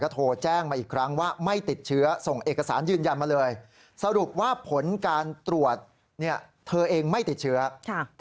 ต้องถูกตรวจหาเชื้อรอบ๒